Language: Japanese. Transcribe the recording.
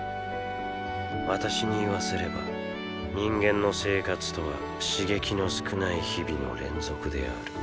私に言わせれば人間の生活とは刺激の少ない日々の連続である。